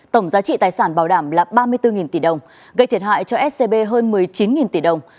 tổng giá trị tài sản bảo đảm là ba mươi bốn tỷ đồng gây thiệt hại cho scb hơn một mươi chín tỷ đồng